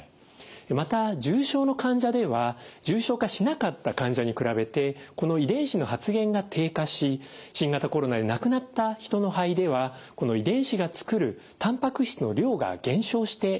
また重症の患者では重症化しなかった患者に比べてこの遺伝子の発現が低下し新型コロナで亡くなった人の肺ではこの遺伝子が作るたんぱく質の量が減少していました。